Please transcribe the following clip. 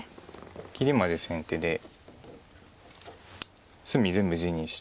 切りまで先手で隅全部地にして。